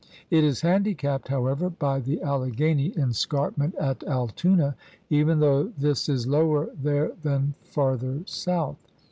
It is handicapped, however, by the Alleghany escarpment at Altoona, even though this is lower there than farther south.